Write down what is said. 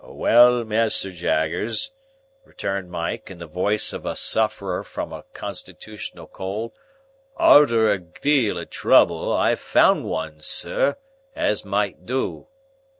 "Well, Mas'r Jaggers," returned Mike, in the voice of a sufferer from a constitutional cold; "arter a deal o' trouble, I've found one, sir, as might do."